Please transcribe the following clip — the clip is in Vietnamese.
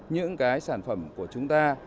những sản phẩm của chúng ta